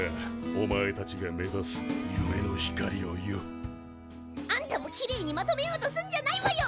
お前たちが目指す夢の光をよ。あんたもきれいにまとめようとすんじゃないわよ！